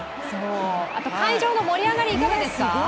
会場の盛り上がり、いかがですか？